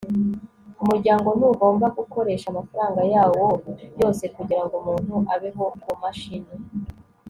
umuryango ntugomba gukoresha amafaranga yawo yose kugirango umuntu abeho kumashini